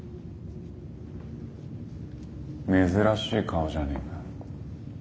珍しい顔じゃねえか。